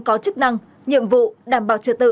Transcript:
có chức năng nhiệm vụ đảm bảo trật tự